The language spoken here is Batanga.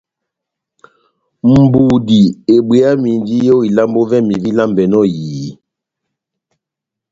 Budi ebweyamindi ó ilambo vɛ́mi vílambɛnɔ ó ehiyi.